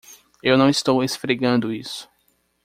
Eu não estou esfregando isso.